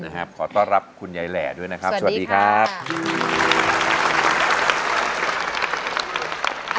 นะครับขอต้อนรับคุณยายแหล่ด้วยนะครับสวัสดีค่ะสวัสดีครับ